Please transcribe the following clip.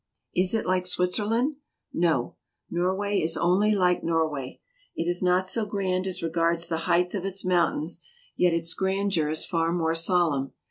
"Is it like Switzerland?" No; Norway is only like EUROPE 223 Norway. It is not so grand as regards the height of its mountains, yet its grandeur is far more solemn.